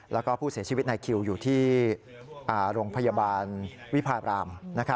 แล้วก็ผู้เสียชีวิตในคิวอยู่ที่โรงพยาบาลวิพาบราม